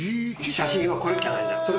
写真はこれっきゃないんだ。